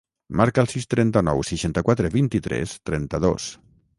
Marca el sis, trenta-nou, seixanta-quatre, vint-i-tres, trenta-dos.